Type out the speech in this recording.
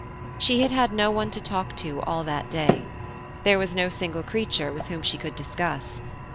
She had had no one to talk to all that day. There was no single creature with whom she could discuss.